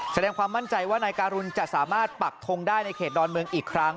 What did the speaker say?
แสดงความมั่นใจว่านายการุณจะสามารถปักทงได้ในเขตดอนเมืองอีกครั้ง